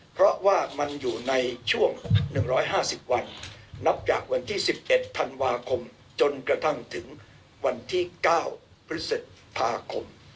เพราะว่ามันอยู่ในช่วง๑๕๐วันนับจากวันที่๑๑ธันวาคมจนกระทั่งถึงวันที่๙พฤษภาคม